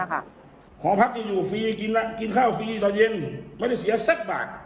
หอพักจะอยู่ฟรีกินข้าวฟรีตอนเย็นไม่ได้เสียสักบาท